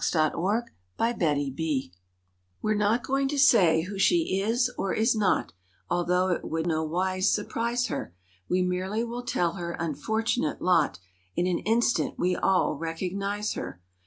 "NOTHING TO WEAR" We're not going to say who she is or is not— Although it would nowise surprise her; We merely will tell her unfortunate lot— In an instant we'll all recognize her.